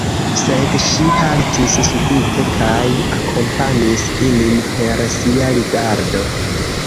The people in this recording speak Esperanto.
Sed ŝi haltis subite kaj akompanis ilin per sia rigardo.